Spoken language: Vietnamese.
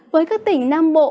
với các tỉnh nam bộ